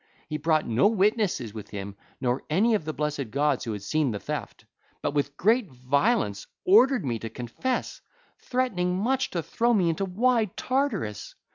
He brought no witnesses with him nor any of the blessed gods who had seen the theft, but with great violence ordered me to confess, threatening much to throw me into wide Tartarus.